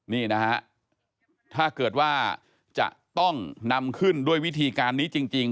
นี่นะฮะถ้าเกิดว่าจะต้องนำขึ้นด้วยวิธีการนี้จริง